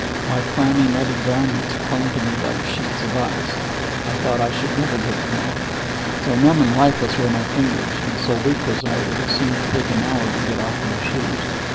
My clammy, muddy garments clung to me like sheets of ice. I thought I should never get them off. So numb and lifeless were my fingers, and so weak was I that it seemed to take an hour to get off my shoes.